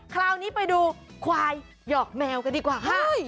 คราวนี้ไปดูควายหยอกแมวกันดีกว่าค่ะ